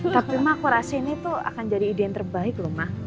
tapi ma aku rasa ini tuh akan jadi ide yang terbaik loh ma